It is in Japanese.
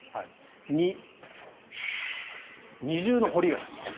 ２、二重の堀がある。